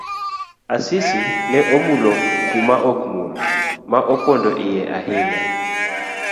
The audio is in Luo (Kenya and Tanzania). Asisi ne omulo kuma okmul ma opondo iye ahinya.